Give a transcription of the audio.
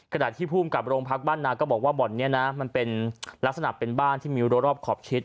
ขณะที่ภูมิกับโรงพักบ้านนาก็บอกว่าบ่อนนี้นะมันเป็นลักษณะเป็นบ้านที่มีรัวรอบขอบชิด